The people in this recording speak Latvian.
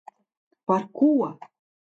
Par ko?